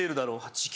地球